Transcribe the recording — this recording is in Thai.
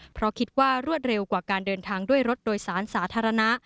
เพราะคิดว่ารวดเร็วกว่าการเดินทางด้วยรถโดยสารสาธารณะ